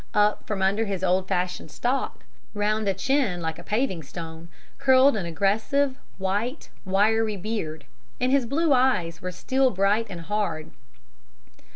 Up from under his old fashioned stock, round a chin like a paving stone, curled an aggressive, white, wiry beard, and his blue eyes were steel bright and hard.